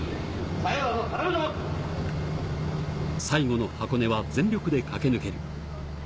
最後の箱根は全力で駆け抜ける。